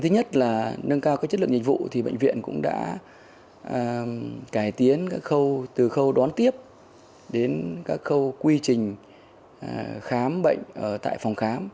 thứ nhất là nâng cao chất lượng nhiệm vụ thì bệnh viện cũng đã cải tiến từ khâu đón tiếp đến các khâu quy trình khám bệnh ở tại phòng khám